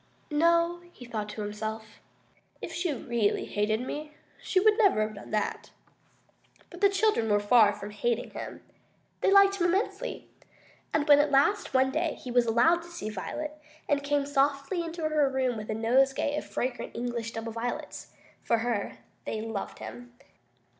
"No," he thought to himself, "if she really hated me, she would never have done that." But the children were very far from hating him. They liked him immensely. And when at last, one day, he was allowed to see Violet, and came softly into her room with a nosegay of fragrant English double violets, for her, they loved him.